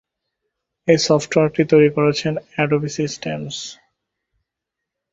এই সফটওয়্যারটি তৈরি করেছে অ্যাডোবি সিস্টেমস।